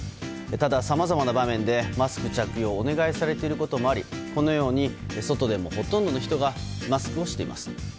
ただ、さまざまな場面でマスク着用をお願いされていることもありこのように外でもほとんどの人がマスクをしています。